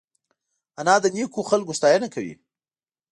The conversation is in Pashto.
انا د نیکو خلکو ستاینه کوي